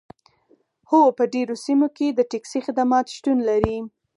هو په ډیرو سیمو کې د ټکسي خدمات شتون لري